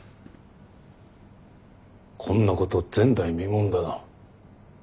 こんなこと前代未聞だな。